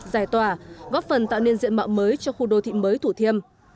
giải tỏa góp phần tạo nên diện mạo mới cho khu đô thị mới thủ thiêm